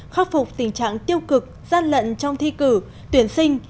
khắc phục tình trạng tiêu cực gian lận trong thi cử tuyển sinh